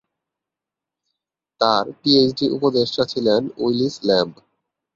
তার পিএইচডি উপদেষ্টা ছিলেন উইলিস ল্যাম্ব।